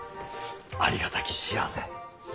ありがたき幸せ。